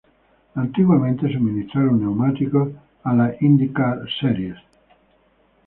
Antiguamente suministraron neumáticos a la Indycar Series.